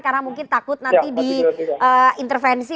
karena mungkin takut nanti diintervensi